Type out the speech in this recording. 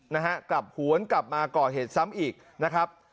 นะฮะกลับหวนกลับมาก่อเหตุซ้ำอีกนะครับ